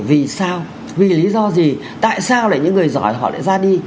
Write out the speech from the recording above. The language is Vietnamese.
vì sao vì lý do gì tại sao để những người giỏi họ lại ra đi